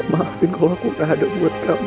maafin kalau aku tak ada buat kamu